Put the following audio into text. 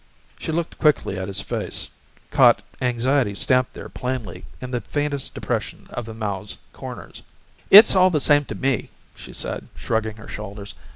"Hm." She looked quickly at his face, caught anxiety stamped there plainly in the faintest depression of the mouth's corners. "It's all the same to me," she said, shrugging her shoulders.